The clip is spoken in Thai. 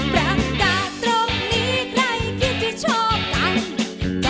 ประกาศตรงนี้ใครคิดจะชอบกัน